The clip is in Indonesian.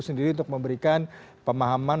sendiri untuk memberikan pemahaman